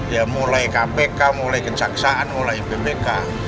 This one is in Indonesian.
ya mulai kpk mulai kejaksaan mulai ppk